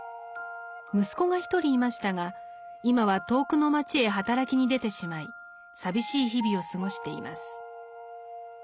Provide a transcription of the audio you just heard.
息子が一人いましたが今は遠くの町へ働きに出てしまい寂しい日々を過ごしています。